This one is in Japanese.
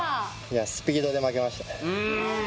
スピードで負けましたね。